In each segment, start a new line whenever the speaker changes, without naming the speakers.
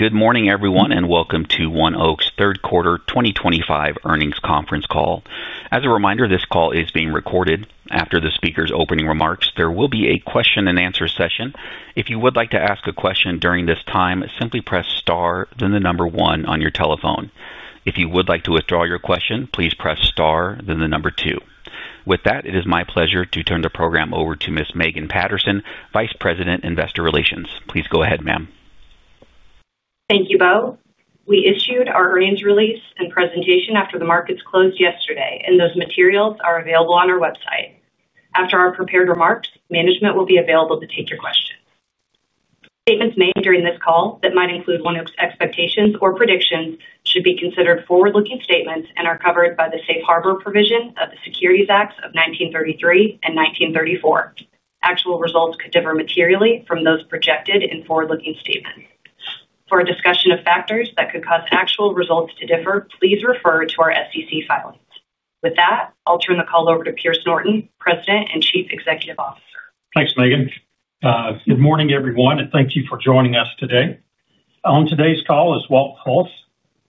Good morning, everyone, and welcome to ONEOK's third quarter 2025 earnings conference call. As a reminder, this call is being recorded. After the speaker's opening remarks, there will be a question and answer session. If you would like to ask a question during this time, simply press star, then the number one on your telephone. If you would like to withdraw your question, please press star, then the number two. With that, it is my pleasure to turn the program over to Ms. Megan Patterson, Vice President, Investor Relations. Please go ahead, ma'am.
Thank you, Bo. We issued our earnings release and presentation after the markets closed yesterday, and those materials are available on our website. After our prepared remarks, management will be available to take your questions. Statements made during this call that might include ONEOK's expectations or predictions should be considered forward-looking statements and are covered by the safe harbor provision of the Securities Act of 1933 and 1934. Actual results could differ materially from those projected in forward-looking statements. For a discussion of factors that could cause actual results to differ, please refer to our SEC filings. With that, I'll turn the call over to Pierce Norton, President and Chief Executive Officer.
Thanks, Megan. Good morning, everyone, and thank you for joining us today. On today's call is Walt Hulse,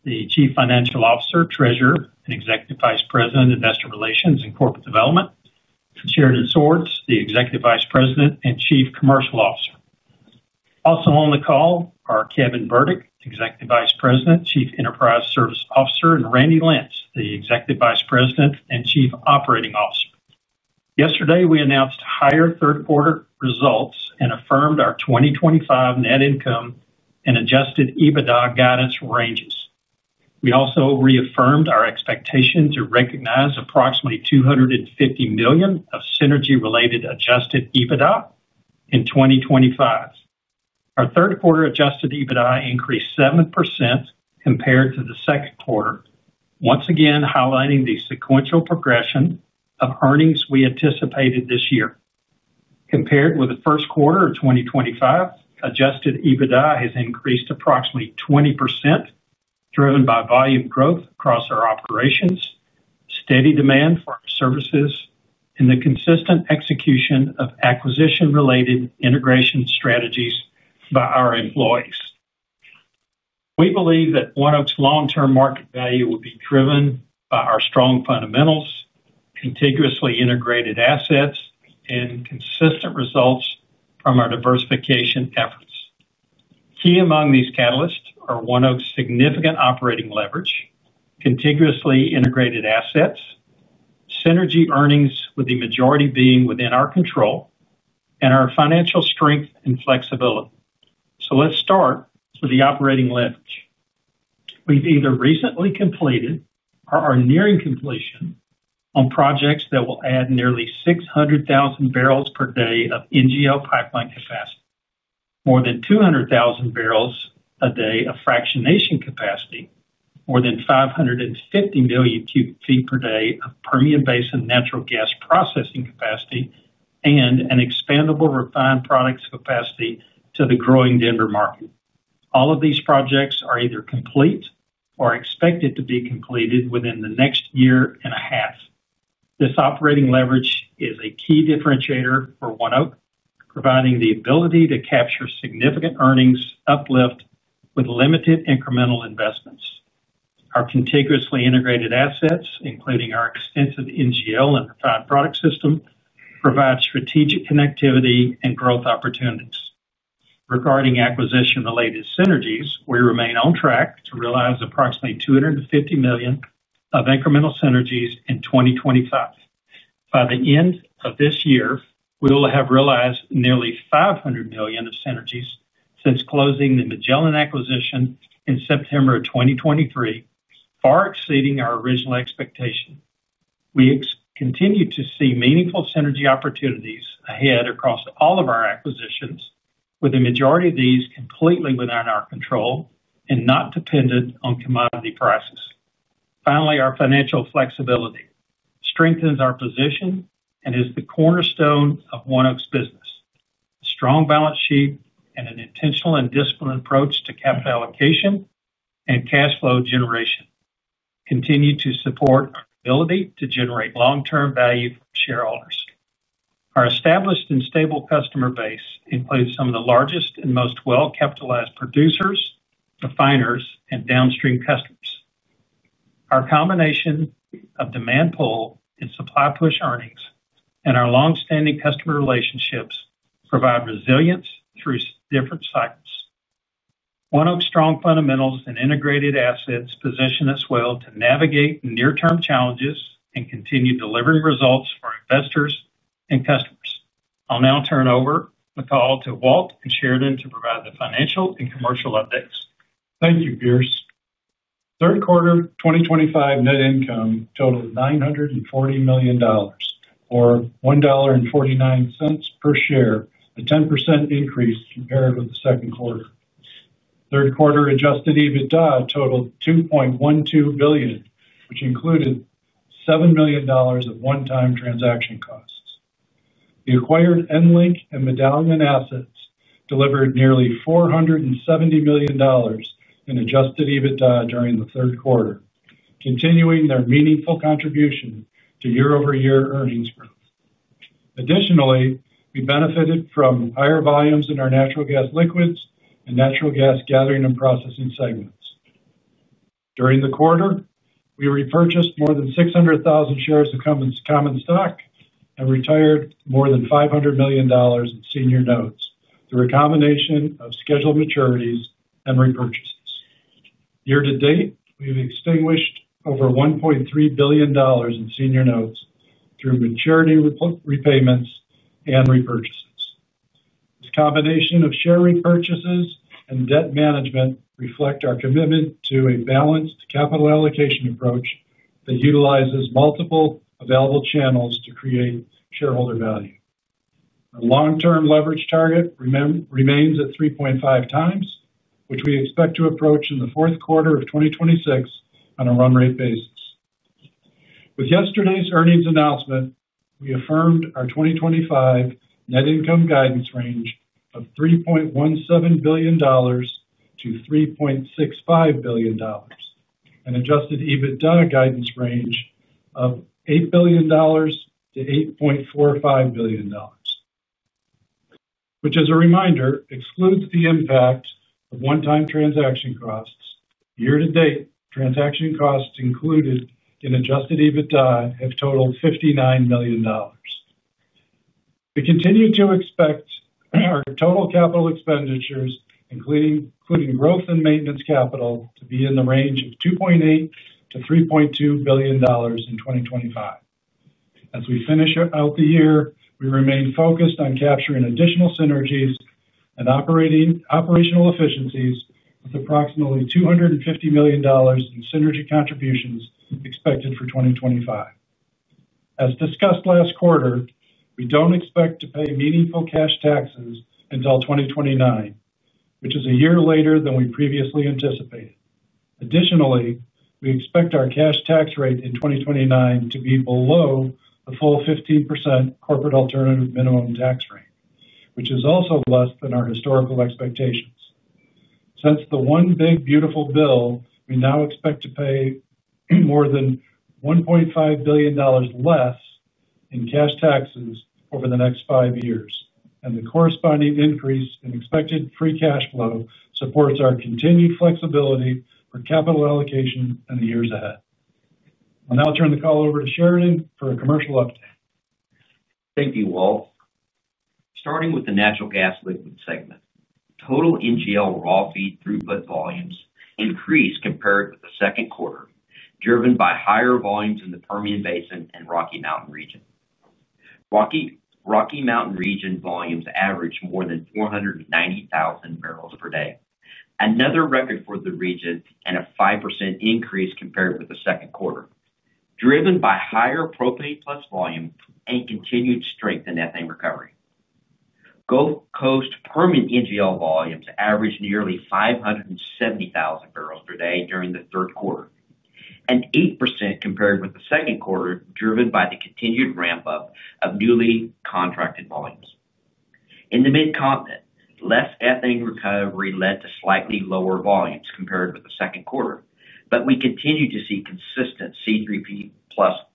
the Chief Financial Officer, Treasurer, and Executive Vice President, Investor Relations and Corporate Development, and Sheridan Swords, the Executive Vice President and Chief Commercial Officer. Also on the call are Kevin Burdick, Executive Vice President, Chief Enterprise Service Officer, and Randy Lentz, the Executive Vice President and Chief Operating Officer. Yesterday, we announced higher third-quarter results and affirmed our 2025 net income and adjusted EBITDA guidance ranges. We also reaffirmed our expectation to recognize approximately $250 million of synergy-related adjusted EBITDA in 2025. Our third-quarter adjusted EBITDA increased 7% compared to the second quarter, once again highlighting the sequential progression of earnings we anticipated this year. Compared with the first quarter of 2025, adjusted EBITDA has increased approximately 20%, driven by volume growth across our operations, steady demand for our services, and the consistent execution of acquisition-related integration strategies by our employees. We believe that ONEOK's long-term market value will be driven by our strong fundamentals, contiguously integrated assets, and consistent results from our diversification efforts. Key among these catalysts are ONEOK's significant operating leverage, contiguously integrated assets, synergy earnings with the majority being within our control, and our financial strength and flexibility. Let's start with the operating leverage. We've either recently completed or are nearing completion on projects that will add nearly 600,000 bbl per day of NGL pipeline capacity, more than 200,000 bbl per day of fractionation capacity, more than 550 million cu ft per day of Permian Basin natural gas processing capacity, and an expandable refined products capacity to the growing Denver market. All of these projects are either complete or expected to be completed within the next year and a half. This operating leverage is a key differentiator for ONEOK, providing the ability to capture significant earnings uplift with limited incremental investments. Our contiguously integrated assets, including our extensive NGL and refined product system, provide strategic connectivity and growth opportunities. Regarding acquisition-related synergies, we remain on track to realize approximately $250 million of incremental synergies in 2025. By the end of this year, we will have realized nearly $500 million of synergies since closing the Magellan acquisition in September 2023, far exceeding our original expectation. We continue to see meaningful synergy opportunities ahead across all of our acquisitions, with the majority of these completely within our control and not dependent on commodity prices. Finally, our financial flexibility strengthens our position and is the cornerstone of ONEOK's business. A strong balance sheet and an intentional and disciplined approach to capital allocation and cash flow generation continue to support our ability to generate long-term value for shareholders. Our established and stable customer base includes some of the largest and most well-capitalized producers, refiners, and downstream customers. Our combination of demand-pull and supply-push earnings and our longstanding customer relationships provide resilience through different cycles. ONEOK's strong fundamentals and integrated assets position us well to navigate near-term challenges and continue delivering results for investors and customers. I'll now turn over the call to Walt and Sheridan to provide the financial and commercial updates.
Thank you, Pierce. Third quarter 2025 net income totaled $940 million or $1.49 per share, a 10% increase compared with the second quarter. Third quarter adjusted EBITDA totaled $2.12 billion, which included $7 million of one-time transaction costs. The acquired EnLink and Medallion assets delivered nearly $470 million in adjusted EBITDA during the third quarter, continuing their meaningful contribution to year-over-year earnings growth. Additionally, we benefited from higher volumes in our natural gas liquids and natural gas gathering and processing segments. During the quarter, we repurchased more than 600,000 shares of common stock and retired more than $500 million in senior notes through a combination of scheduled maturities and repurchases. Year-to-date, we've extinguished over $1.3 billion in senior notes through maturity repayments and repurchases. This combination of share repurchases and debt management reflects our commitment to a balanced capital allocation approach that utilizes multiple available channels to create shareholder value. Our long-term leverage target remains at 3.5x, which we expect to approach in the fourth quarter of 2026 on a run-rate basis. With yesterday's earnings announcement, we affirmed our 2025 net income guidance range of $3.17 billion-$3.65 billion and adjusted EBITDA guidance range of $8 billion-$8.45 billion, which, as a reminder, excludes the impact of one-time transaction costs. Year-to-date, transaction costs included in adjusted EBITDA have totaled $59 million. We continue to expect our total capital expenditures, including growth and maintenance capital, to be in the range of $2.8billion-$3.2 billion in 2025. As we finish out the year, we remain focused on capturing additional synergies and operational efficiencies with approximately $250 million in synergy contributions expected for 2025. As discussed last quarter, we don't expect to pay meaningful cash taxes until 2029, which is a year later than we previously anticipated. Additionally, we expect our cash tax rate in 2029 to be below the full 15% corporate alternative minimum tax rate, which is also less than our historical expectations. Since the One Big Beautiful Bill, we now expect to pay more than $1.5 billion less in cash taxes over the next five years, and the corresponding increase in expected free cash flow supports our continued flexibility for capital allocation in the years ahead. I'll now turn the call over to Sheridan for a commercial update.
Thank you, Walt. Starting with the natural gas liquids segment, total NGL raw feed throughput volumes increased compared with the second quarter, driven by higher volumes in the Permian Basin and Rocky Mountain region. Rocky Mountain region volumes averaged more than 490,000 bbl per day, another record for the region and a 5% increase compared with the second quarter, driven by higher propane plus volume and continued strength in ethane recovery. Gulf Coast Permian NGL volumes averaged nearly 570,000 bbl per day during the third quarter, an 8% increase compared with the second quarter, driven by the continued ramp-up of newly contracted volumes. In the Mid-Continent, less ethane recovery led to slightly lower volumes compared with the second quarter, but we continue to see consistent C3+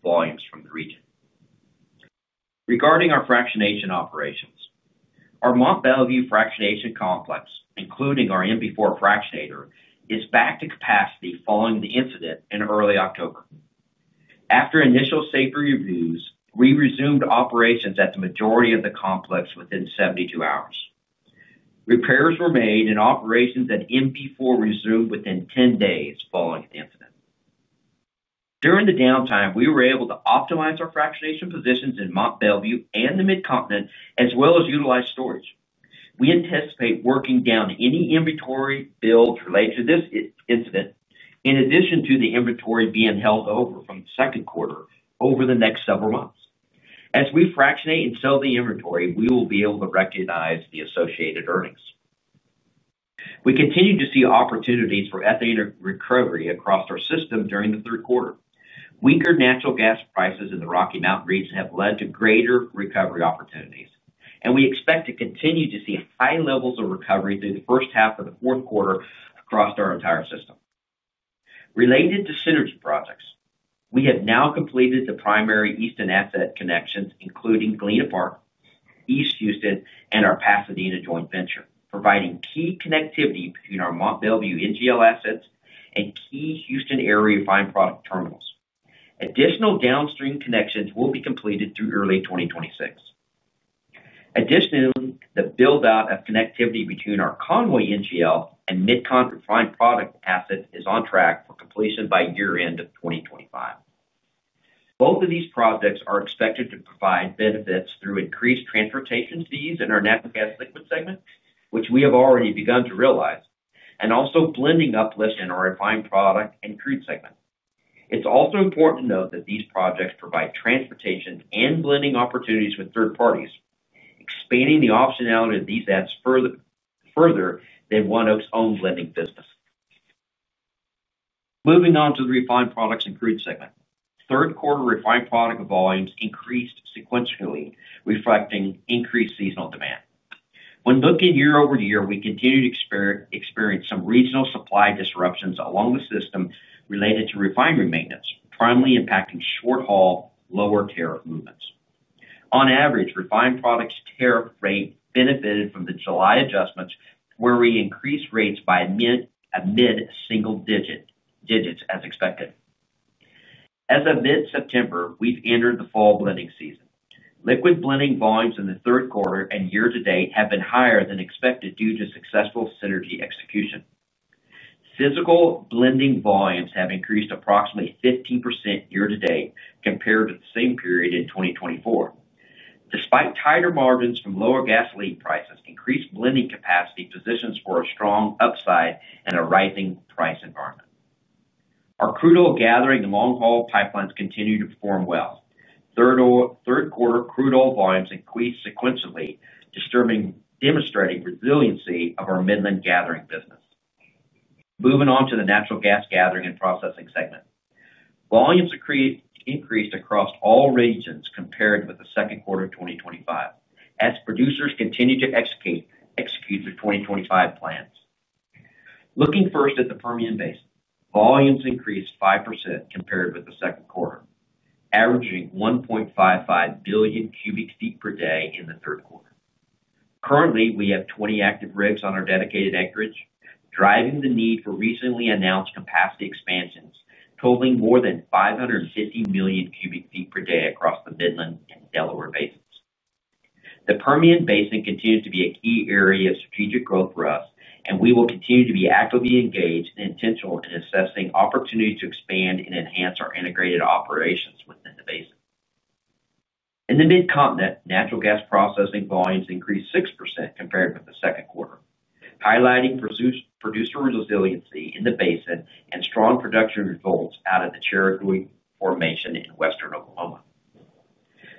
volumes from the region. Regarding our fractionation operations, our Mont Belvieu fractionation complex, including our MB4 fractionator, is back to capacity following the incident in early October. After initial safety reviews, we resumed operations at the majority of the complex within 72 hours. Repairs were made, and operations at MB4 resumed within 10 days following the incident. During the downtime, we were able to optimize our fractionation positions in Mont Belvieu and the Mid-Continent, as well as utilize storage. We anticipate working down any inventory builds related to this incident, in addition to the inventory being held over from the second quarter over the next several months. As we fractionate and sell the inventory, we will be able to recognize the associated earnings. We continue to see opportunities for ethane recovery across our system during the third quarter. Weaker natural gas prices in the Rocky Mountain region have led to greater recovery opportunities, and we expect to continue to see high levels of recovery through the first half of the fourth quarter across our entire system. Related to synergy projects, we have now completed the primary Eastern asset connections, including Galena Park, East Houston, and our Pasadena joint venture, providing key connectivity between our Mont Belvieu NGL assets and key Houston area refined product terminals. Additional downstream connections will be completed through early 2026. Additionally, the build-out of connectivity between our Conway NGL and Mid-Continent refined product assets is on track for completion by year-end of 2025. Both of these projects are expected to provide benefits through increased transportation fees in our natural gas liquids segment, which we have already begun to realize, and also blending uplifts in our refined products and crude segment. It's also important to note that these projects provide transportation and blending opportunities with third parties, expanding the optionality of these assets further than ONEOK's own blending business. Moving on to the refined products and crude segment, third-quarter refined products volumes increased sequentially, reflecting increased seasonal demand. When looking year-over-year, we continue to experience some regional supply disruptions along the system related to refinery maintenance, primarily impacting short-haul lower tariff movements. On average, refined products tariff rate benefited from the July adjustments, where we increased rates by a mid-single-digit as expected. As of mid-September, we've entered the fall blending season. Liquid blending volumes in the third quarter and year-to-date have been higher than expected due to successful synergy execution. Physical blending volumes have increased approximately 15% year-to-date compared with the same period in 2024. Despite tighter margins from lower gasoline prices, increased blending capacity positions for a strong upside in a rising price environment. Our crude oil gathering and long-haul pipelines continue to perform well. Third-quarter crude oil volumes increased sequentially, demonstrating resiliency of our Midland gathering business. Moving on to the natural gas gathering and processing segment, volumes increased across all regions compared with the second quarter of 2025, as producers continue to execute the 2025 plans. Looking first at the Permian Basin, volumes increased 5% compared with the second quarter, averaging 1.55 billion cu ft per day in the third quarter. Currently, we have 20 active rigs on our dedicated acreage, driving the need for recently announced capacity expansions, totaling more than 550 million cu ft per day across the Midland and Delaware basins. The Permian Basin continues to be a key area of strategic growth for us, and we will continue to be actively engaged and intentional in assessing opportunities to expand and enhance our integrated operations within the basin. In the Mid-Continent, natural gas processing volumes increased 6% compared with the second quarter, highlighting producer resiliency in the basin and strong production results out of the Cherry Creek formation in Western Oklahoma.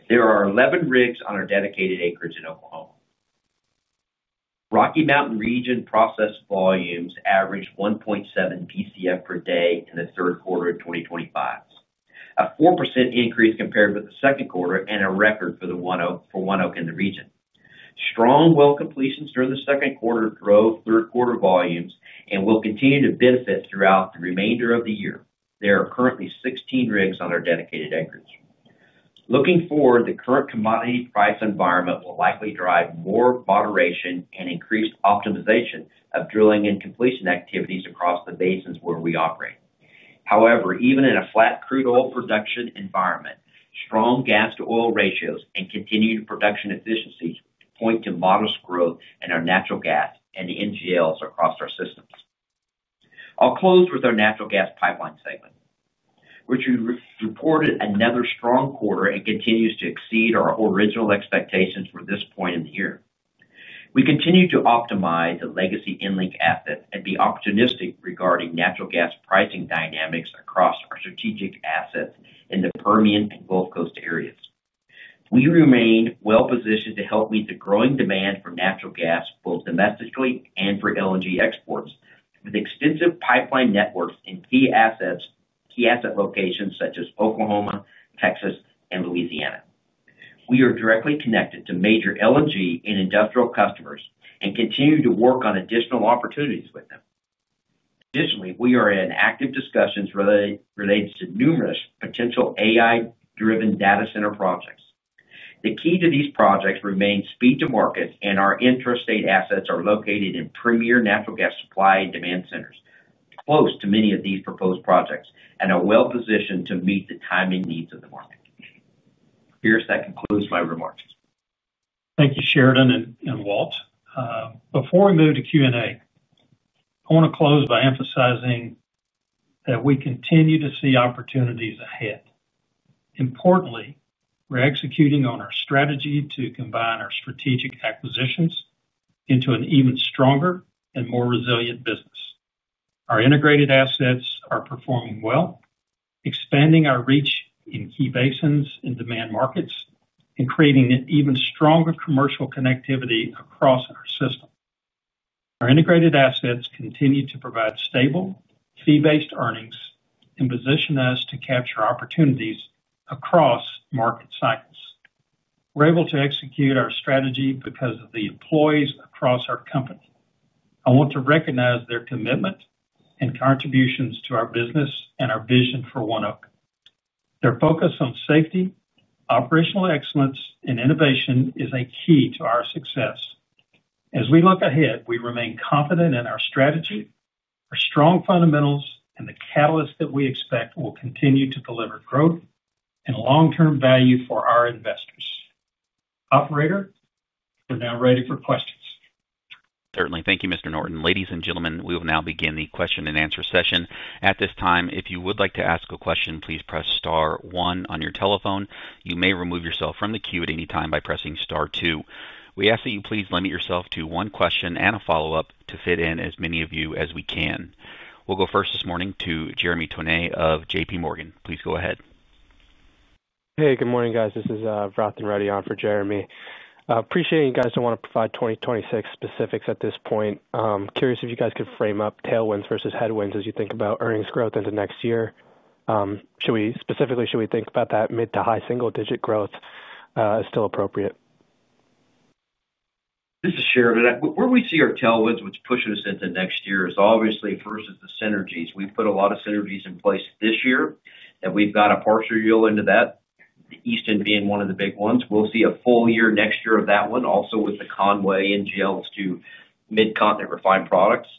There are 11 rigs on our dedicated acreage in Oklahoma. Rocky Mountain region process volumes averaged 1.7 BCF per day in the third quarter of 2025, a 4% increase compared with the second quarter and a record for ONEOK in the region. Strong well completions during the second quarter drove third-quarter volumes and will continue to benefit throughout the remainder of the year. There are currently 16 rigs on our dedicated acreage. Looking forward, the current commodity price environment will likely drive more moderation and increased optimization of drilling and completion activities across the basins where we operate. However, even in a flat crude oil production environment, strong gas-to-oil ratios and continued production efficiencies point to modest growth in our natural gas and NGL across our systems. I'll close with our natural gas pipeline segment, which reported another strong quarter and continues to exceed our original expectations for this point in the year. We continue to optimize the legacy EnLink assets and be opportunistic regarding natural gas pricing dynamics across our strategic assets in the Permian and Gulf Coast areas. We remain well-positioned to help meet the growing demand for natural gas, both domestically and for LNG exports, with extensive pipeline networks in key asset locations such as Oklahoma, Texas, and Louisiana. We are directly connected to major LNG and industrial customers and continue to work on additional opportunities with them. Additionally, we are in active discussions related to numerous potential AI-driven data center projects. The key to these projects remains speed to market, and our intrastate assets are located in premier natural gas supply and demand centers close to many of these proposed projects and are well positioned to meet the timing needs of the market. Pierce, that concludes my remarks.
Thank you, Sheridan and Walt. Before we move to Q&A, I want to close by emphasizing that we continue to see opportunities ahead. Importantly, we're executing on our strategy to combine our strategic acquisitions into an even stronger and more resilient business. Our integrated assets are performing well, expanding our reach in key basins and demand markets, and creating an even stronger commercial connectivity across our system. Our integrated assets continue to provide stable fee-based earnings and position us to capture opportunities across market cycles. We're able to execute our strategy because of the employees across our company. I want to recognize their commitment and contributions to our business and our vision for ONEOK. Their focus on safety, operational excellence, and innovation is a key to our success. As we look ahead, we remain confident in our strategy, our strong fundamentals, and the catalysts that we expect will continue to deliver growth and long-term value for our investors. Operator, we're now ready for questions.
Certainly. Thank you, Mr. Norton. Ladies and gentlemen, we will now begin the question and answer session. At this time, if you would like to ask a question, please press star one on your telephone. You may remove yourself from the queue at any time by pressing star two. We ask that you please limit yourself to one question and a follow-up to fit in as many of you as we can. We'll go first this morning to Jeremy Tonet of JPMorgan. Please go ahead. Hey, good morning, guys. This is Vrath Reddy on for Jeremy. Appreciate you guys don't want to provide 2026 specifics at this point. Curious if you guys could frame up tailwinds versus headwinds as you think about earnings growth into next year. Should we specifically, should we think about that mid to high single-digit growth as still appropriate?
This is Sheridan. Where we see our tailwinds, which push us into next year, is obviously first is the synergies. We put a lot of synergies in place this year, and we've got a partial yield into that, the Easton being one of the big ones. We'll see a full year next year of that one, also with the Conway NGLs to Mid-Continent refined products,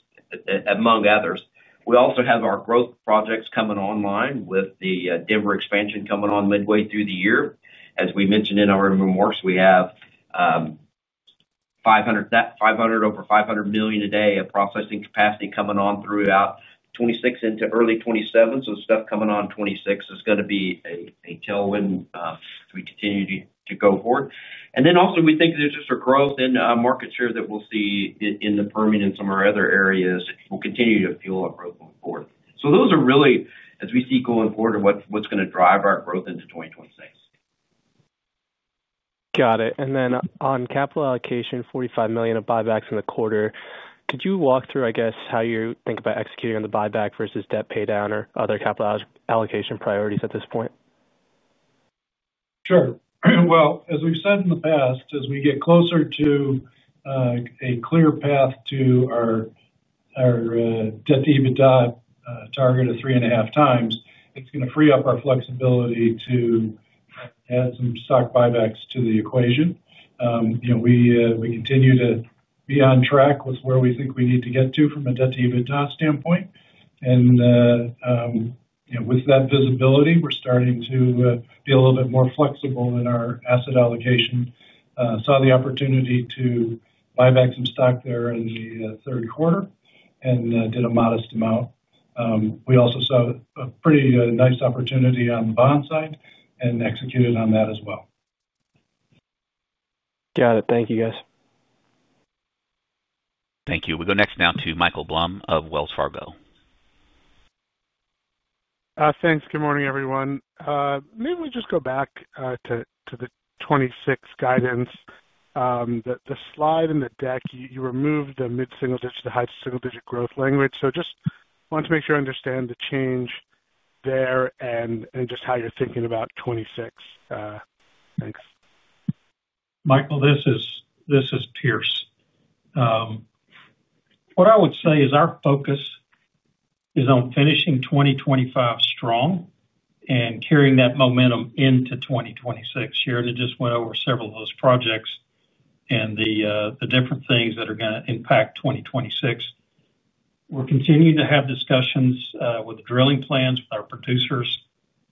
among others. We also have our growth projects coming online with the Denver expansion coming on midway through the year. As we mentioned in our remarks, we have over $500 million a day of processing capacity coming on throughout 2026 into early 2027. Stuff coming on 2026 is going to be a tailwind as we continue to go forward. We think there's just a growth in market share that we'll see in the Permian and some of our other areas that will continue to fuel our growth moving forward. Those are really, as we see going forward, what's going to drive our growth into 2026. Got it. On capital allocation, $45 million of buybacks in the quarter. Could you walk through how you think about executing on the buyback versus debt paydown or other capital allocation priorities at this point?
As we've said in the past, as we get closer to a clear path to our debt to EBITDA target of 3.5x, it's going to free up our flexibility to add some stock buybacks to the equation. We continue to be on track with where we think we need to get to from a debt to EBITDA standpoint. With that visibility, we're starting to be a little bit more flexible in our asset allocation. Saw the opportunity to buy back some stock there in the third quarter and did a modest amount. We also saw a pretty nice opportunity on the bond side and executed on that as well. Got it. Thank you, guys.
Thank you. We go next now to Michael Blum of Wells Fargo.
Thanks. Good morning, everyone. Maybe we just go back to the 2026 guidance. The slide in the deck, you removed the mid-single-digit to high-single-digit growth language. I just want to make sure I understand the change there and just how you're thinking about 2026. Thanks.
Michael, this is Pierce. What I would say is our focus is on finishing 2025 strong and carrying that momentum into 2026. Sheridan just went over several of those projects and the different things that are going to impact 2026. We're continuing to have discussions with drilling plans with our producers.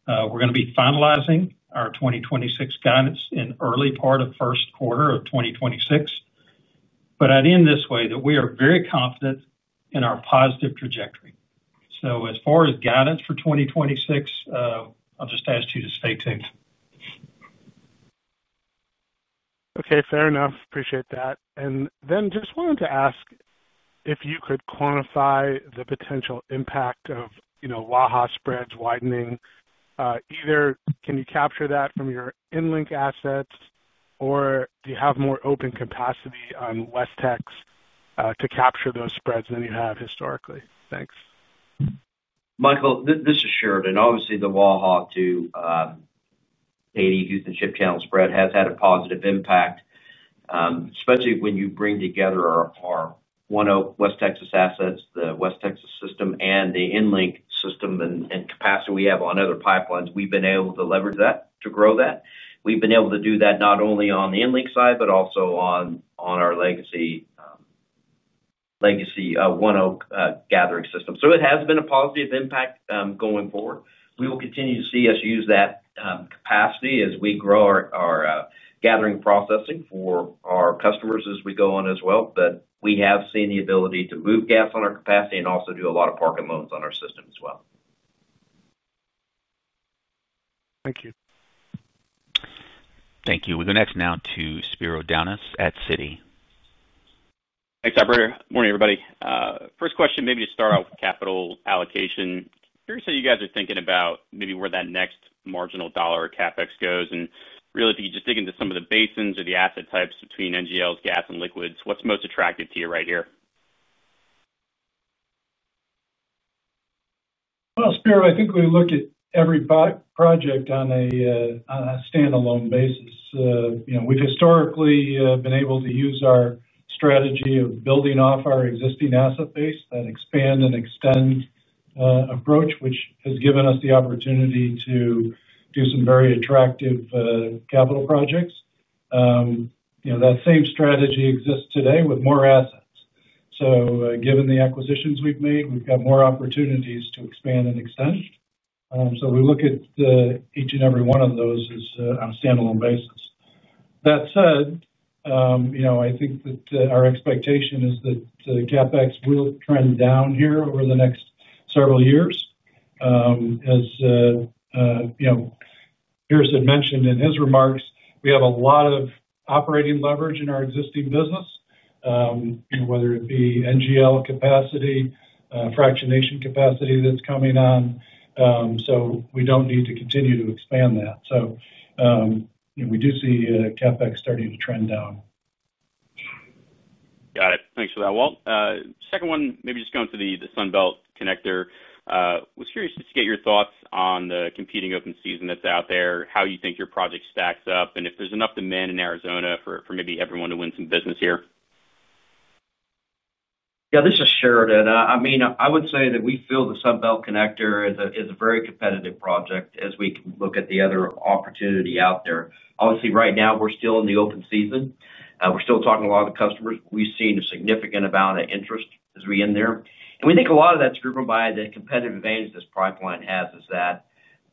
We're going to be finalizing our 2026 guidance in the early part of the first quarter of 2026. I would end this way that we are very confident in our positive trajectory. As far as guidance for 2026, I'll just ask you to stay tuned.
Okay. Fair enough. Appreciate that. I just wanted to ask if you could quantify the potential impact of Waha spreads widening. Either can you capture that from your EnLink assets, or do you have more open capacity on WesTex to capture those spreads than you have historically? Thanks.
Michael, this is Sheridan. Obviously, the Waha to 80 Houston Ship Channel spread has had a positive impact, especially when you bring together our West Texas assets, the West Texas system, the EnLink system, and capacity we have on other pipelines. We've been able to leverage that to grow that. We've been able to do that not only on the EnLink side, but also on our legacy ONEOK gathering system. It has been a positive impact, going forward. We will continue to see us use that capacity as we grow our gathering processing for our customers as we go on as well. We have seen the ability to move gas on our capacity and also do a lot of park and loans on our system as well.
Thank you.
Thank you. We go next now to Spiro Dounis at Citi.
Thanks, Albert. Morning, everybody. First question, maybe to start off with capital allocation. Curious how you guys are thinking about maybe where that next marginal dollar or CapEx goes. If you could just dig into some of the basins or the asset types between NGLs, gas, and liquids, what's most attractive to you right here?
I think we look at every project on a standalone basis. We've historically been able to use our strategy of building off our existing asset base, that expand and extend approach, which has given us the opportunity to do some very attractive capital projects. That same strategy exists today with more assets. Given the acquisitions we've made, we've got more opportunities to expand and extend. We look at each and every one of those on a standalone basis. That said, I think that our expectation is that the CapEx will trend down here over the next several years. As Pierce had mentioned in his remarks, we have a lot of operating leverage in our existing business, whether it be NGL capacity, fractionation capacity that's coming on. We don't need to continue to expand that. We do see CapEx starting to trend down.
Got it. Thanks for that, Walt. Second one, maybe just going to the Sunbelt Connector. I was curious just to get your thoughts on the competing open season that's out there, how you think your project stacks up, and if there's enough demand in Arizona for maybe everyone to win some business here.
Yeah, this is Sheridan. I mean, I would say that we feel the Sunbelt Connector is a very competitive project as we can look at the other opportunity out there. Obviously, right now, we're still in the open season. We're still talking to a lot of the customers. We've seen a significant amount of interest as we enter there. We think a lot of that's driven by the competitive advantage this pipeline has is that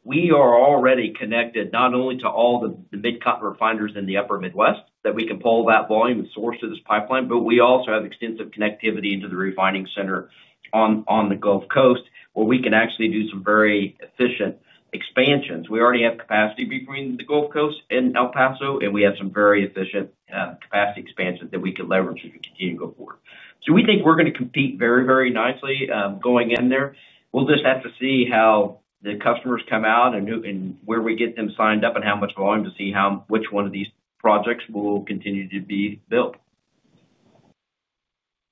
we are already connected not only to all the Mid-Continent refiners in the upper Midwest that we can pull that volume and source to this pipeline, but we also have extensive connectivity into the refining center on the Gulf Coast, where we can actually do some very efficient expansions. We already have capacity between the Gulf Coast and El Paso, and we have some very efficient capacity expansions that we could leverage as we continue to go forward. We think we're going to compete very, very nicely going in there. We'll just have to see how the customers come out and where we get them signed up and how much volume to see which one of these projects will continue to be built.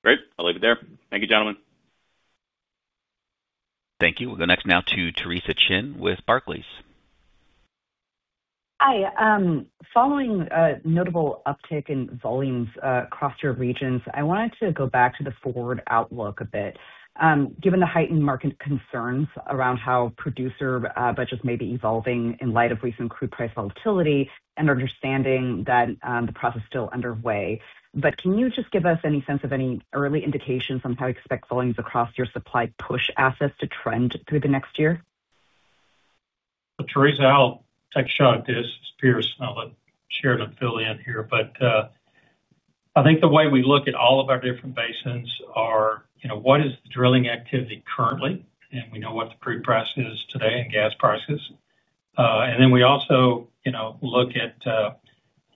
Great. I'll leave it there. Thank you, gentlemen.
Thank you. We'll go next now to Theresa Chen with Barclays.
Hi. Following a notable uptick in volumes across your regions, I wanted to go back to the forward outlook a bit. Given the heightened market concerns around how producer budgets may be evolving in light of recent crude price volatility and understanding that the process is still underway, can you just give us any sense of any early indications on how you expect volumes across your supply-push assets to trend through the next year?
Theresa, I'll take a shot at this. It's Pierce. I'll let Sheridan fill in here. I think the way we look at all of our different basins is, you know, what is the drilling activity currently? We know what the crude price is today and gas prices. We also look at,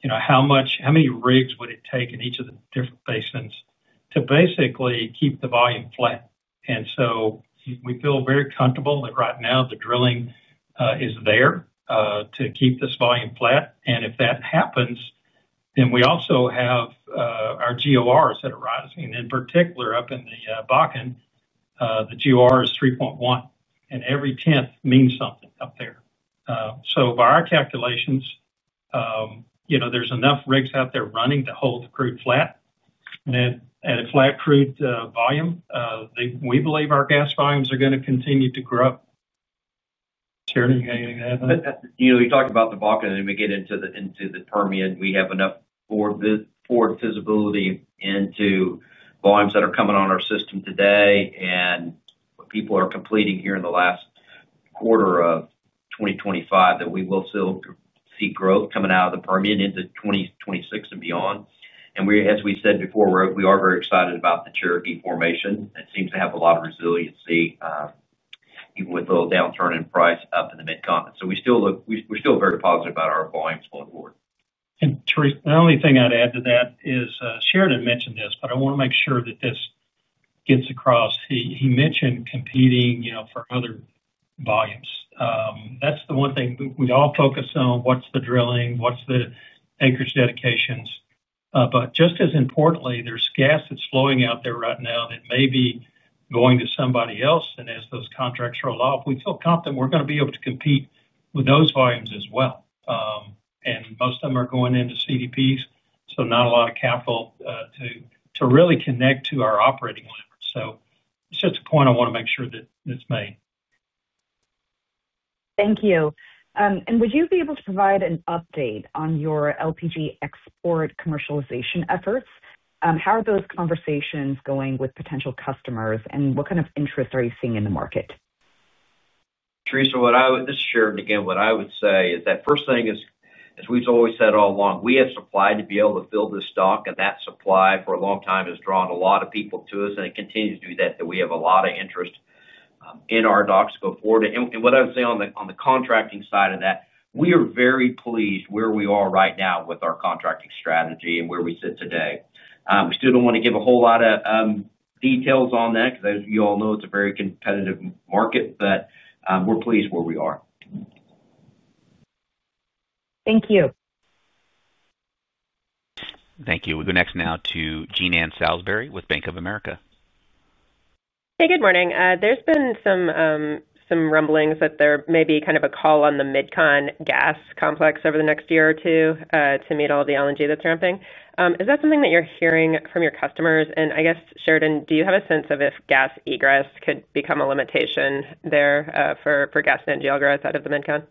you know, how many rigs would it take in each of the different basins to basically keep the volume flat. We feel very comfortable that right now the drilling is there to keep this volume flat. If that happens, we also have our GORs that are rising. In particular, up in the Bakken, the GOR is 3.1, and every 10th means something up there. By our calculations, there's enough rigs out there running to hold the crude flat. At a flat crude volume, we believe our gas volumes are going to continue to grow. Sheridan, you had anything to add?
You talked about the Bakken, and then we get into the Permian. We have enough forward visibility into volumes that are coming on our system today and what people are completing here in the last quarter of 2025 that we will still see growth coming out of the Permian into 2026 and beyond. As we said before, we are very excited about the Cherokee formation. It seems to have a lot of resiliency, even with a little downturn in price up in the Mid-Continent. We're still very positive about our volumes going forward.
Theresa, the only thing I'd add to that is Sheridan mentioned this, but I want to make sure that this gets across. He mentioned competing, you know, for other volumes. That's the one thing we all focus on. What's the drilling? What's the anchorage dedications? Just as importantly, there's gas that's flowing out there right now that may be going to somebody else. As those contracts roll off, we feel confident we're going to be able to compete with those volumes as well. Most of them are going into CDPs, so not a lot of capital to really connect to our operating leverage. It's just a point I want to make sure that it's made.
Thank you. Would you be able to provide an update on your LPG export commercialization efforts? How are those conversations going with potential customers? What kind of interest are you seeing in the market?
Theresa, what I would say is that the first thing is, as we've always said all along, we have supply to be able to fill this dock. That supply for a long time has drawn a lot of people to us. It continues to do that, and we have a lot of interest in our docks to go forward. What I would say on the contracting side of that is we are very pleased where we are right now with our contracting strategy and where we sit today. We still don't want to give a whole lot of details on that because, as you all know, it's a very competitive market, but we're pleased where we are.
Thank you.
Thank you. We go next now to Jean Ann Salisbury with Bank of America.
Hey, good morning. There's been some rumblings that there may be kind of a call on the Mid-Con gas complex over the next year or two to meet all the LNG that's ramping. Is that something that you're hearing from your customers? Sheridan, do you have a sense of if gas egress could become a limitation there for gas and NGL growth out of the Mid-Con?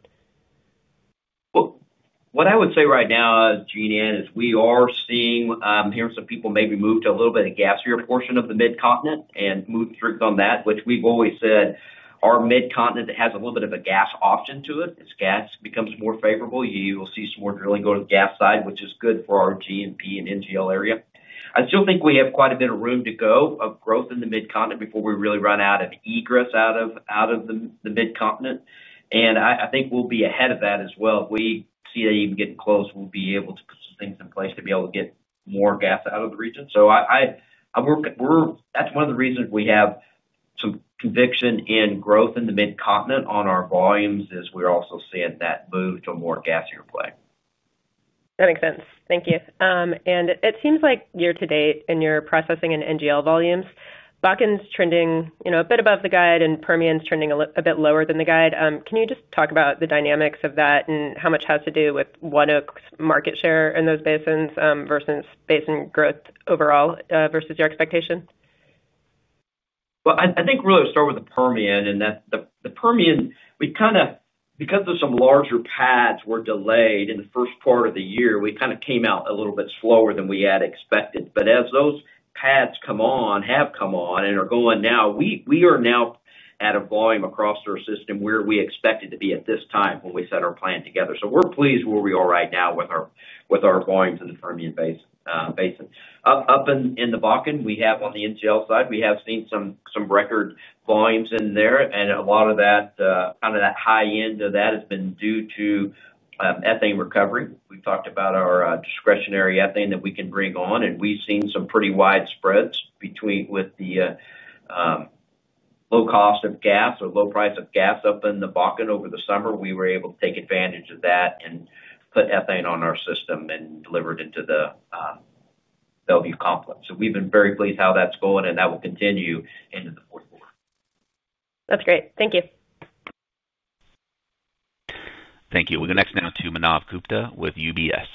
What I would say right now, Jean Ann, is we are seeing, I'm hearing some people maybe move to a little bit of the gasier portion of the Mid-Continent and move through on that, which we've always said our Mid-Continent has a little bit of a gas option to it. As gas becomes more favorable, you will see some more drilling go to the gas side, which is good for our GMP and NGL area. I still think we have quite a bit of room to go of growth in the Mid-Con before we really run out of egress out of the Mid-Continent. I think we'll be ahead of that as well. If we see that even getting close, we'll be able to put some things in place to be able to get more gas out of the region. That's one of the reasons we have some conviction in growth in the Mid-Continent on our volumes is we're also seeing that move to a more gasier play.
That makes sense. Thank you. It seems like year to date in your processing and NGL volumes, Bakken's trending a bit above the guide and Permian's trending a bit lower than the guide. Can you just talk about the dynamics of that and how much has to do with ONEOK's market share in those basins versus basin growth overall versus your expectation?
I think really to start with the Permian, the Permian, we kind of, because of some larger pads were delayed in the first part of the year, we kind of came out a little bit slower than we had expected. As those pads have come on and are going now, we are now at a volume across our system where we expected to be at this time when we set our plan together. We're pleased where we are right now with our volumes in the Permian Basin. Up in the Bakken, on the NGL side, we have seen some record volumes in there. A lot of that, kind of that high end of that, has been due to ethane recovery. We've talked about our discretionary ethane that we can bring on. We've seen some pretty wide spreads with the low cost of gas or low price of gas up in the Bakken over the summer. We were able to take advantage of that and put ethane on our system and deliver it into the Bellevue complex. We've been very pleased how that's going, and that will continue into the fourth quarter.
That's great. Thank you.
Thank you. We'll go next now to Manav Gupta with UBS.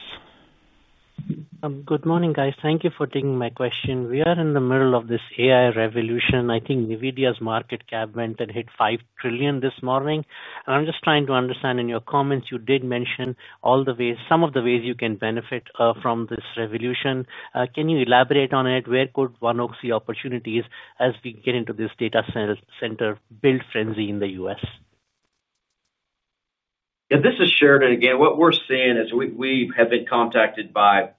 Good morning, guys. Thank you for taking my question. We are in the middle of this AI revolution. I think Nvidia's market cap went and hit $5 trillion this morning. I'm just trying to understand in your comments, you did mention all the ways, some of the ways you can benefit from this revolution. Can you elaborate on it? Where could ONEOK see opportunities as we get into this data center build frenzy in the U.S.?
Yeah, this is Sheridan again. What we're seeing is we have been contacted by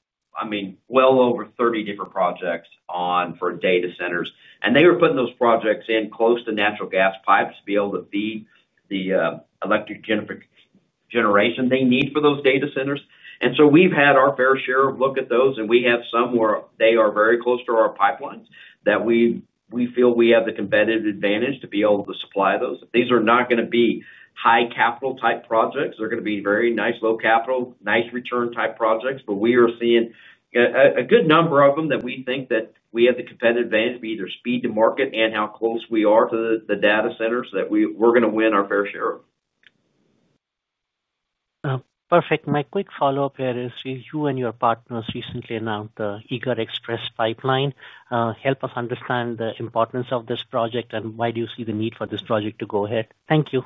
well over 30 different projects for data centers. They were putting those projects in close to natural gas pipes to be able to feed the electric generation they need for those data centers. We've had our fair share of look at those. We have some where they are very close to our pipelines that we feel we have the competitive advantage to be able to supply those. These are not going to be high-capital type projects. They're going to be very nice, low-capital, nice-return type projects. We are seeing a good number of them that we think that we have the competitive advantage to be either speed to market and how close we are to the data centers that we're going to win our fair share of.
Perfect. My quick follow-up here is you and your partners recently announced the Eiger Express pipeline. Help us understand the importance of this project and why do you see the need for this project to go ahead. Thank you.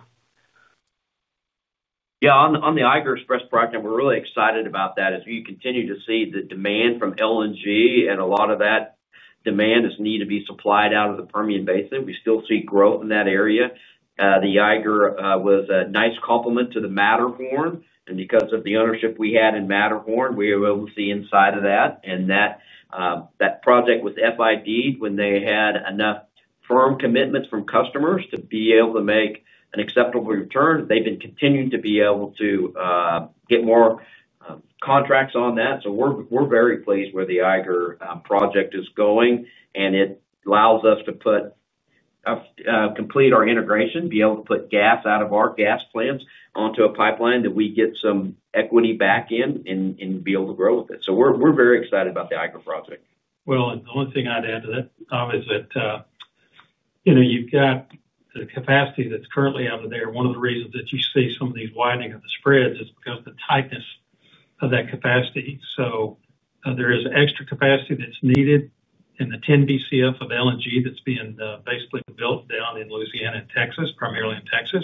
Yeah, on the Eiger Express project, we're really excited about that as we continue to see the demand from LNG, and a lot of that demand is needed to be supplied out of the Permian Basin. We still see growth in that area. The Eiger was a nice complement to the Matterhorn, and because of the ownership we had in Matterhorn, we were able to see inside of that. That project was FID when they had enough firm commitments from customers to be able to make an acceptable return. They've been continuing to be able to get more contracts on that. We're very pleased where the Eiger project is going. It allows us to complete our integration, be able to put gas out of our gas plants onto a pipeline that we get some equity back in and be able to grow with it. We're very excited about the Eiger project.
The only thing I'd add to that is that you've got the capacity that's currently out of there. One of the reasons that you see some of these widening of the spreads is because of the tightness of that capacity. There is extra capacity that's needed in the 10 BCF of LNG that's being basically built down in Louisiana and Texas, primarily in Texas.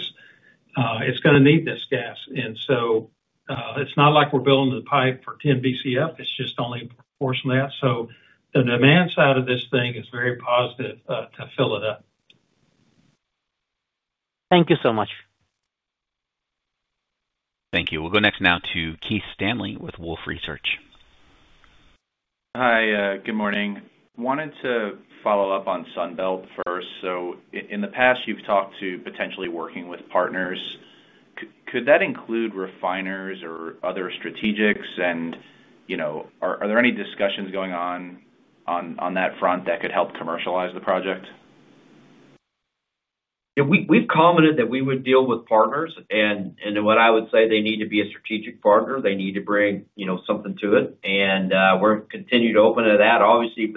It's going to need this gas. It's not like we're building the pipe for 10 BCF. It's just only a portion of that. The demand side of this thing is very positive to fill it up.
Thank you so much.
Thank you. We'll go next now to Keith Stanley with Wolfe Research.
Hi. Good morning. Wanted to follow up on Sunbelt first. In the past, you've talked to potentially working with partners. Could that include refiners or other strategics? Are there any discussions going on on that front that could help commercialize the project?
Yeah, we've commented that we would deal with partners. What I would say, they need to be a strategic partner. They need to bring, you know, something to it. We're continuing to open to that. Obviously,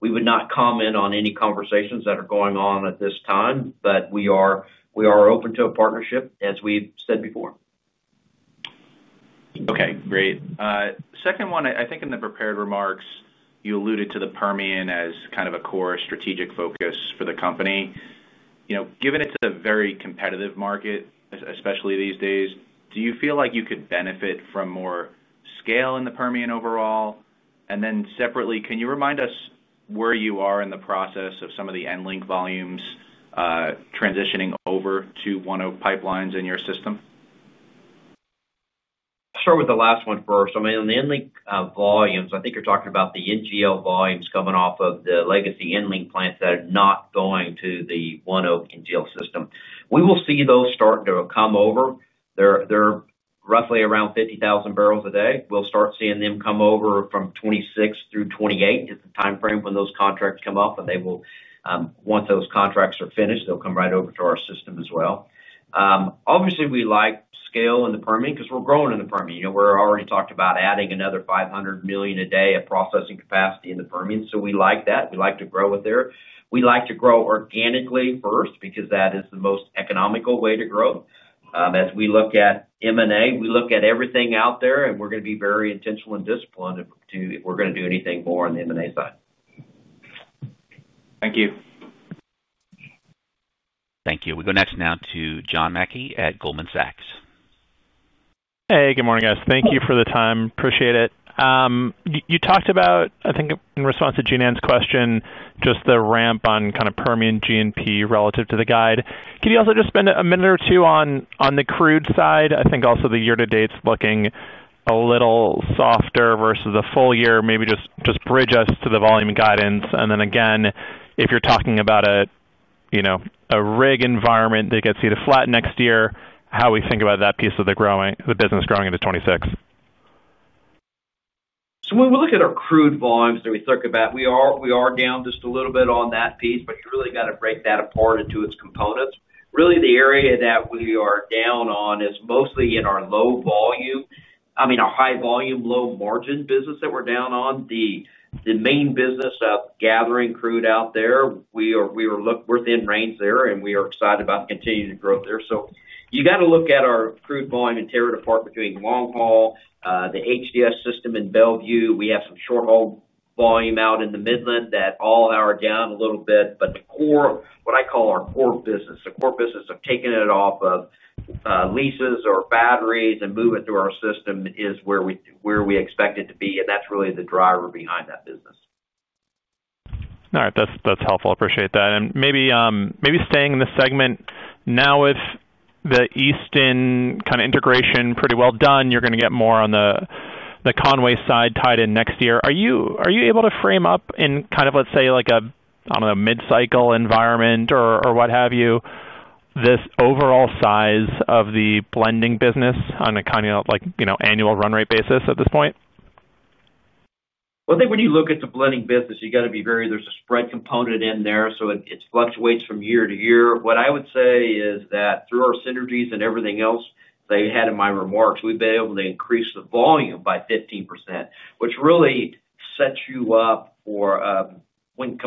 we would not comment on any conversations that are going on at this time, but we are open to a partnership, as we've said before.
Okay. Great. Second one, I think in the prepared remarks, you alluded to the Permian as kind of a core strategic focus for the company. Given it's a very competitive market, especially these days, do you feel like you could benefit from more scale in the Permian overall? Can you remind us where you are in the process of some of the EnLink volumes transitioning over to ONEOK pipelines in your system?
Start with the last one first. I mean, on the EnLink volumes, I think you're talking about the NGL volumes coming off of the legacy EnLink plants that are not going to the ONEOK NGL system. We will see those starting to come over. They're roughly around 50,000 bbl a day. We'll start seeing them come over from 2026 through 2028 as the timeframe when those contracts come up. Once those contracts are finished, they'll come right over to our system as well. Obviously, we like scale in the Permian because we're growing in the Permian. We're already talking about adding another 500 million a day of processing capacity in the Permian. We like that. We like to grow there. We like to grow organically first because that is the most economical way to grow. As we look at M&A, we look at everything out there, and we're going to be very intentional and disciplined if we're going to do anything more on the M&A side.
Thank you.
Thank you. We go next now to John Mackay at Goldman Sachs.
Hey, good morning, guys. Thank you for the time. Appreciate it. You talked about, I think in response to Jean Ann's question, just the ramp on kind of Permian GNP relative to the guide. Can you also just spend a minute or two on the crude side? I think also the year-to-date's looking a little softer versus the full year. Maybe just bridge us to the volume guidance. If you're talking about a, you know, a rig environment that gets you to flat next year, how we think about that piece of the business growing into 2026.
When we look at our crude volumes and we think about it, we are down just a little bit on that piece, but you really have to break that apart into its components. Really, the area that we are down on is mostly in our high volume, low margin business that we're down on. The main business of gathering crude out there, we are looking within range there, and we are excited about continuing to grow there. You have to look at our crude volume and tear it apart between long haul, the HDS system in Bellevue. We have some short haul volume out in the Midland that all are down a little bit. The core, what I call our core business, the core business of taking it off of leases or batteries and moving it through our system is where we expect it to be. That's really the driver behind that business.
All right. That's helpful. I appreciate that. Maybe staying in the segment now with the Easton kind of integration pretty well done, you're going to get more on the Conway side tied in next year. Are you able to frame up in kind of, let's say, like a, I don't know, mid-cycle environment or what have you, this overall size of the blending business on a kind of like, you know, annual run rate basis at this point?
I think when you look at the blending business, you got to be very, there's a spread component in there. It fluctuates from year-to-year. What I would say is that through our synergies and everything else that you had in my remarks, we've been able to increase the volume by 15%, which really sets you up for when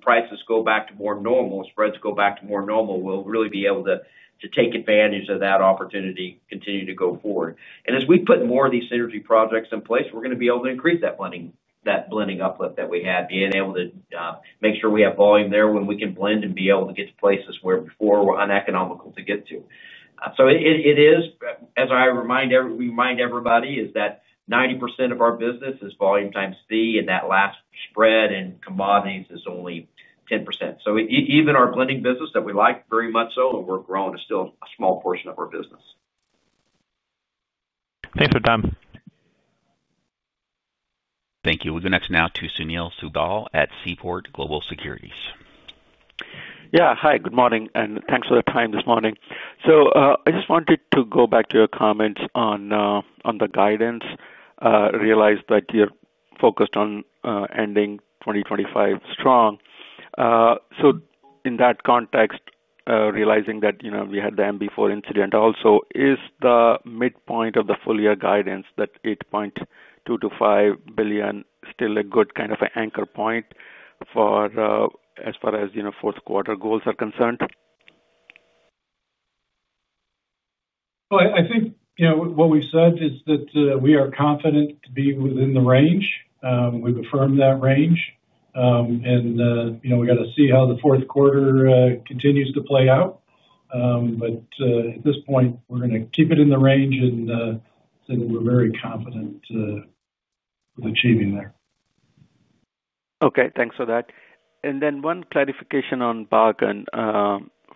prices go back to more normal, spreads go back to more normal, we'll really be able to take advantage of that opportunity and continue to go forward. As we put more of these synergy projects in place, we're going to be able to increase that blending uplift that we had, being able to make sure we have volume there when we can blend and be able to get to places where before it was uneconomical to get to. It is, as I remind everybody, that 90% of our business is volume times C, and that last spread in commodities is only 10%. Even our blending business that we like very much so and we're growing is still a small portion of our business.
Thanks for your time.
Thank you. We'll go next now to Sunil Sibal at Seaport Global.
Yeah. Hi. Good morning, and thanks for the time this morning. I just wanted to go back to your comments on the guidance. I realized that you're focused on ending 2025 strong. In that context, realizing that we had the MB4 incident also, is the midpoint of the full-year guidance, that $8.25 billion, still a good kind of anchor point for as far as fourth quarter goals are concerned?
I think what we've said is that we are confident to be within the range. We've affirmed that range, and we got to see how the fourth quarter continues to play out. At this point, we're going to keep it in the range, and we're very confident with achieving there.
Okay. Thanks for that. One clarification on Bakken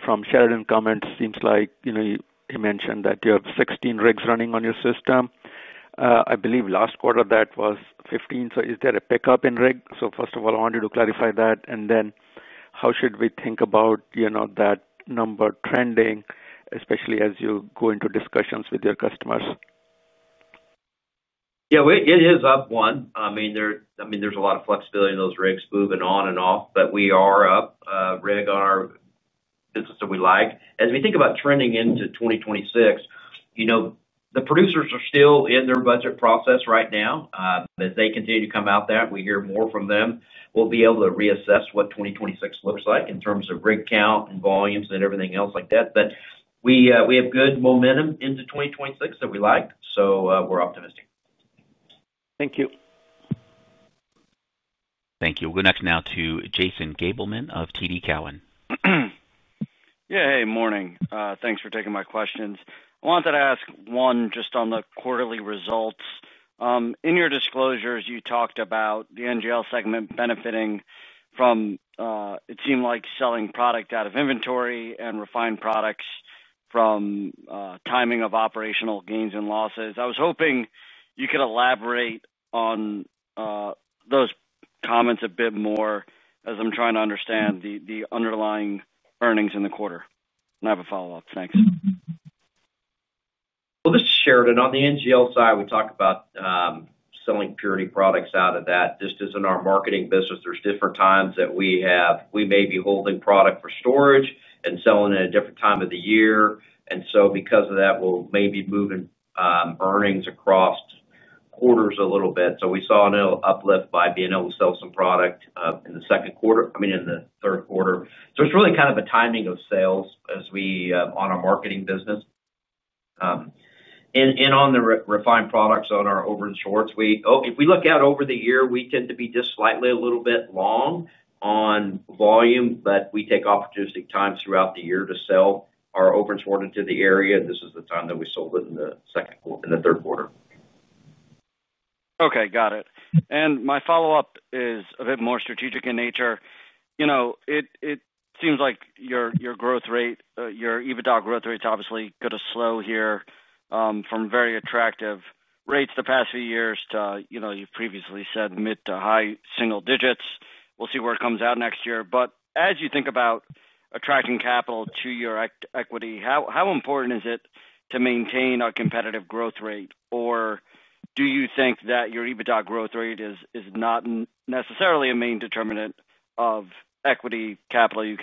from Sheridan's comments. Seems like you mentioned that you have 16 rigs running on your system. I believe last quarter that was 15. Is there a pickup in rig? First of all, I wanted to clarify that. How should we think about that number trending, especially as you go into discussions with your customers?
Yeah, it is up one. I mean, there's a lot of flexibility in those rigs moving on and off, but we are up rig on our business that we like. As we think about trending into 2026, the producers are still in their budget process right now. As they continue to come out there, we hear more from them. We'll be able to reassess what 2026 looks like in terms of rig count and volumes and everything else like that. We have good momentum into 2026 that we like. We're optimistic.
Thank you.
Thank you. We'll go next to Jason Gabelman of TD Cowen.
Yeah. Hey, good morning. Thanks for taking my questions. I wanted to ask one just on the quarterly results. In your disclosures, you talked about the NGL segment benefiting from, it seemed like, selling product out of inventory and refined products from timing of operational gains and losses. I was hoping you could elaborate on those comments a bit more as I'm trying to understand the underlying earnings in the quarter. I have a follow-up. Thanks.
This is Sheridan. On the NGL side, we talk about selling purity products out of that. Just as in our marketing business, there are different times that we have, we may be holding product for storage and selling at a different time of the year. Because of that, we may move earnings across quarters a little bit. We saw an uplift by being able to sell some product in the third quarter. It's really kind of a timing of sales as we are on our marketing business. On the refined products on our overages and shorts, if we look out over the year, we tend to be just slightly a little bit long on volume, but we take opportunistic times throughout the year to sell our overages and shorts into the area. This is the time that we sold it in the second quarter and the third quarter.
Okay. Got it. My follow-up is a bit more strategic in nature. It seems like your growth rate, your EBITDA growth rate's obviously going to slow here from very attractive rates the past few years to, you know, you've previously said, mid to high single digits. We'll see where it comes out next year. As you think about attracting capital to your equity, how important is it to maintain a competitive growth rate, or do you think that your EBITDA growth rate is not necessarily a main determinant of equity capital you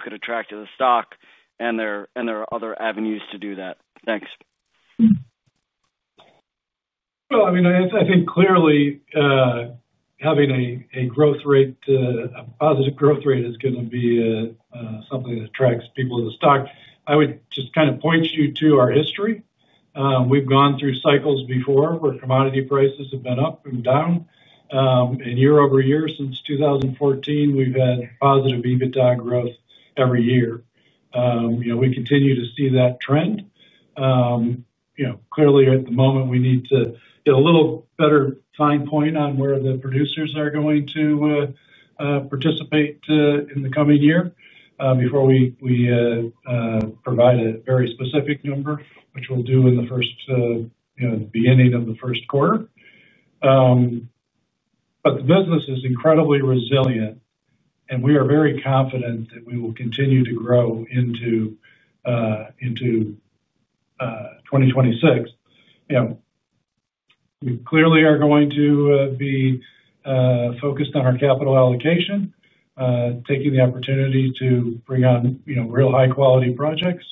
could attract to the stock and there are other avenues to do that? Thanks.
I think clearly, having a growth rate, a positive growth rate is going to be something that attracts people to the stock. I would just kind of point you to our history. We've gone through cycles before where commodity prices have been up and down. Year-over-year, since 2014, we've had positive EBITDA growth every year. We continue to see that trend. Clearly, at the moment, we need to get a little better fine point on where the producers are going to participate in the coming year before we provide a very specific number, which we'll do in the beginning of the first quarter. The business is incredibly resilient, and we are very confident that we will continue to grow into 2026. We clearly are going to be focused on our capital allocation, taking the opportunity to bring on real high-quality projects.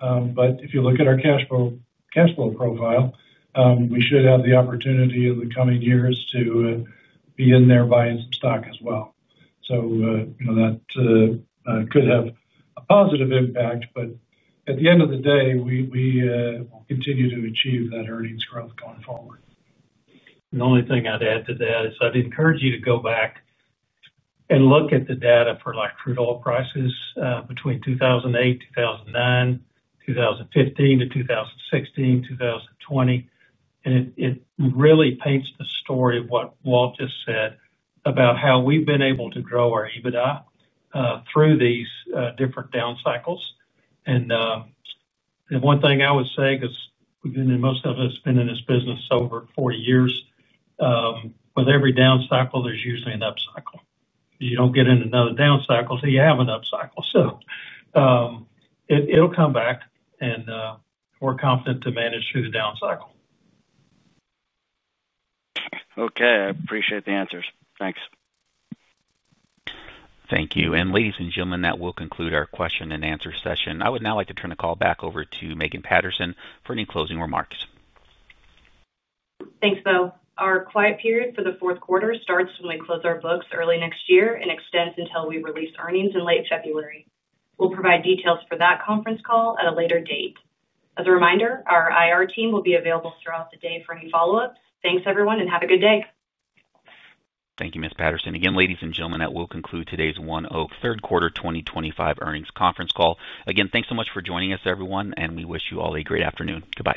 If you look at our cash flow profile, we should have the opportunity in the coming years to be in there buying some stock as well. That could have a positive impact. At the end of the day, we will continue to achieve that earnings growth going forward.
The only thing I'd add to that is I'd encourage you to go back and look at the data for crude oil prices between 2008, 2009, 2015 to 2016, 2020. It really paints the story of what Walt just said about how we've been able to grow our EBITDA through these different down cycles. The one thing I would say, because most of us have been in this business over 40 years, with every down cycle, there's usually an up cycle. You don't get in another down cycle until you have an up cycle. It'll come back, and we're confident to manage through the down cycle.
Okay, I appreciate the answers. Thanks.
Thank you. Ladies and gentlemen, that will conclude our question and answer session. I would now like to turn the call back over to Megan Patterson for any closing remarks.
Thanks, Bill. Our quiet period for the fourth quarter starts when we close our books early next year and extends until we release earnings in late February. We'll provide details for that conference call at a later date. As a reminder, our IR team will be available throughout the day for any follow-ups. Thanks, everyone, and have a good day.
Thank you, Ms. Patterson. Again, ladies and gentlemen, that will conclude today's ONEOK third quarter 2025 earnings conference call. Again, thanks so much for joining us, everyone, and we wish you all a great afternoon. Goodbye.